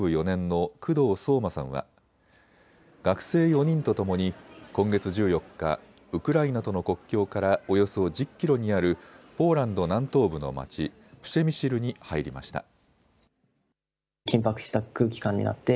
４年の工藤聡真さんは学生４人とともに今月１４日、ウクライナとの国境からおよそ１０キロにあるポーランド南東部の町、プシェミシルに入りました。